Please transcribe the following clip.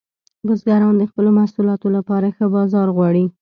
بزګران د خپلو محصولاتو لپاره ښه بازار غواړي.